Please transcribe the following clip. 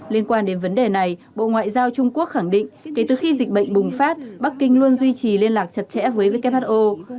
liên quan đến vấn đề này bộ ngoại giao trung quốc khẳng định kể từ khi dịch bệnh bùng phát bắc kinh luôn duy trì liên lạc chặt chẽ với who